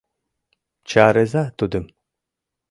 — Чарыза тудым!